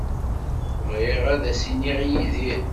Bɣiɣ ad as-iniɣ i Yidir.